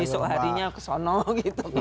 besok harinya kesono gitu